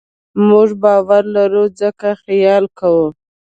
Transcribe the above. موږ باور لرو؛ ځکه خیال کوو.